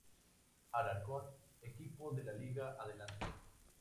Alcorcón, equipo de la Liga Adelante.